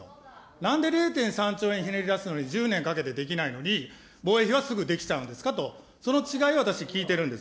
なんで０．３兆円ひねり出すのに１０年かけてできないのに、防衛費はすぐできちゃうんですかと、その違いを私は聞いてるんです。